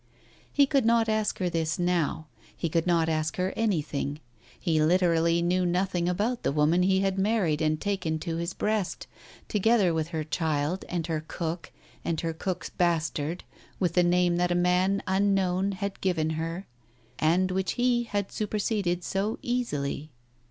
He could not ask her this now, he could not ask her anything. He literally knew nothing about the woman he had married and taken to his breast, together with her child and her cook and her cook's bastard, with the name that a man unknown had given her and which he had superseded so easily.